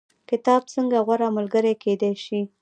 کتاب څنګه غوره ملګری کیدی شي؟